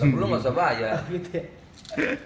belum masa bayar